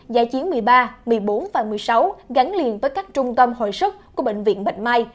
dạy chiến một mươi ba một mươi bốn và một mươi sáu gắn liền với các trung tâm hội sức của bệnh viện bệnh mai